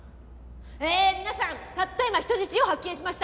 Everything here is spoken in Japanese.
えー皆さんたった今人質を発見しました。